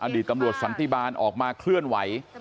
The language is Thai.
ตำรวจสันติบาลออกมาเคลื่อนไหว